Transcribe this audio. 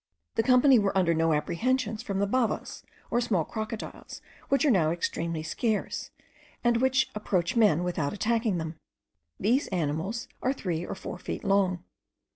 The company were under no apprehensions from the bavas, or small crocodiles, which are now extremely scarce, and which approach men without attacking them. These animals are three or four feet long.